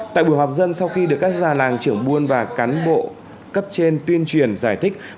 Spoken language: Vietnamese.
tại buổi họp dân sau khi được các già làng trưởng buôn và cán bộ cấp trên tuyên truyền giải thích